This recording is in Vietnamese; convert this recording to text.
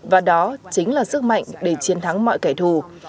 và đó chính là sức mạnh để chiến thắng mọi kẻ thù